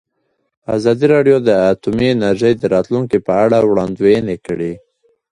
ازادي راډیو د اټومي انرژي د راتلونکې په اړه وړاندوینې کړې.